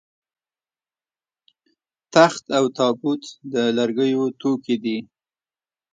تخت او تابوت د لرګیو توکي دي